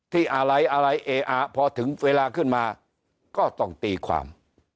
ที่อะไรอะไรเออพอถึงเวลาขึ้นมาก็ต้องตีความ